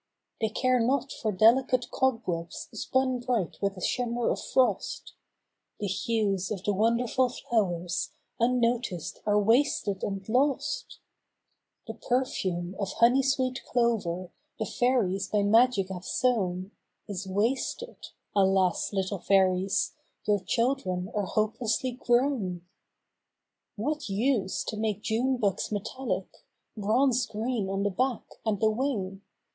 They care not delicate cobwebs spun bright with a shimmer of frost; The hues of the won¬ derful flowers, un¬ noticed, are wast¬ ed and lost; The perfume o f honey sweet clover the fairies by magic have sown Is wasted—alas, little fairies,/ your chil dren are hopelessly grown. What use to make Junebugs metallic, bronze green on the back and the wing.